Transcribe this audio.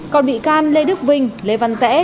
còn bị can lê đức vinh lê văn rẽ